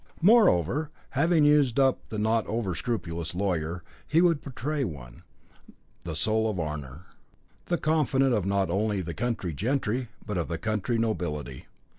Moreover, having used up the not over scrupulous lawyer, he would portray one, the soul of honour, the confidant of not only the county gentry but of the county nobility.